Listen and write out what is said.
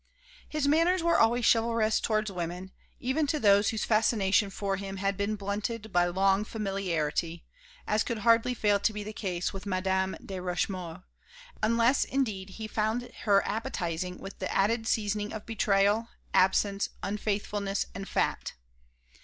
His manners were always chivalrous towards women, even to those whose fascination for him had been blunted by long familiarity, as could hardly fail to be the case with Madame de Rochemaure, unless indeed he found her appetizing with the added seasoning of betrayal, absence, unfaithfulness and fat.